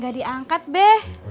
gak diangkat be